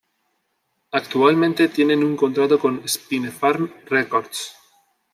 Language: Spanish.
Actualmente tienen un contrato con Spinefarm Records.